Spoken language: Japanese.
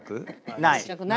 ない。